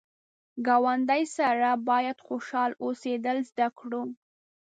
ګاونډي سره باید خوشحال اوسېدل زده کړو